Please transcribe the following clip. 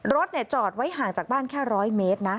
รถจอดไว้ห่างจากบ้านแค่๑๐๐เมตรนะ